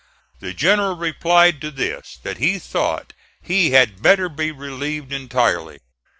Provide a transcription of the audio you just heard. The general replied to this, that he thought he had better be relieved entirely.